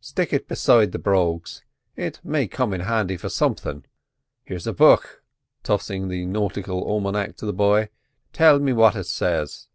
"Stick it beside the brogues; it may come in handy for somethin'. Here's a book"—tossing the nautical almanac to the boy. "Tell me what it says."